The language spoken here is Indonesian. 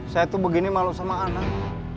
saya tuh begini malu sama anak